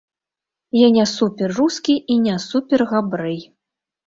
Я не супер-рускі і не супер-габрэй.